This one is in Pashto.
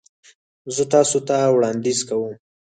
زه تاسو ته وړاندیز کوم